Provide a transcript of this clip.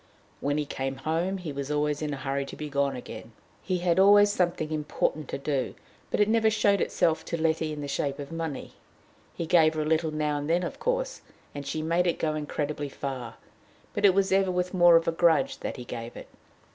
When he came home, he was always in a hurry to be gone again. He had always something important to do, but it never showed itself to Letty in the shape of money. He gave her a little now and then, of course, and she made it go incredibly far, but it was ever with more of a grudge that he gave it.